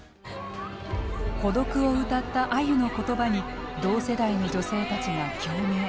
「孤独」を歌ったあゆの言葉に同世代の女性たちが共鳴。